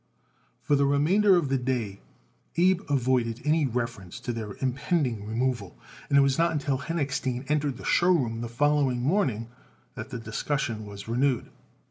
For the remainder of the day Abe avoided any reference to their impending removal, and it was not until Henochstein entered the show room the following morning that the discussion was renewed.